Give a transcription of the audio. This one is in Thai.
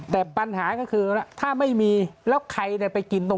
แต่ปัญหาก็คือถ้าไม่มีแล้วใครได้ไปกิน